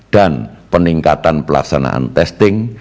dan peningkatan pelaksanaan testing